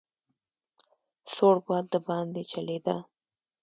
سوړ باد دباندې چلېده.